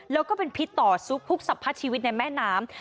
แล้วก็เป็นพิษต่อซุกทุกสรรพัดชีวิตในแม่น้ำ